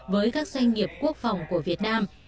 với các doanh nghiệp quốc phòng của việt nam